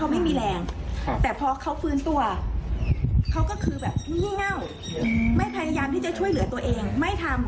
ไม่พยายามที่จะช่วยเหลือตัวเองไม่ทำ